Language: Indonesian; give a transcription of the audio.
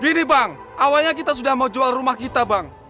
gini bang awalnya kita sudah mau jual rumah kita bang